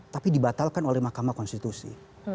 tapi dibatalkan oleh mahkamah konstitusi